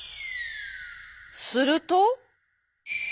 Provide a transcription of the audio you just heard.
すると。